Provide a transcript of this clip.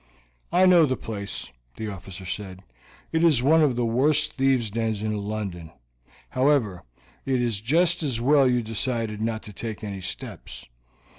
"I know the place," the officer said. "It is one of the worst thieves' dens in London. However, it is just as well you decided not to take any steps.